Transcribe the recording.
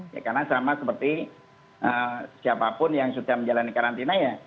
ya karena sama seperti siapapun yang sudah menjalani karantina ya